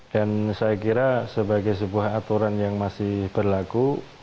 dan saya kira sebagai sebuah aturan yang masih berlaku